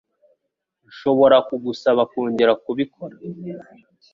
Nshobora kugusaba kongera kubikora?